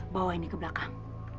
bawa ini ke belakang